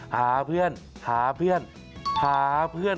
หาเพื่อนหาเพื่อนหาเพื่อน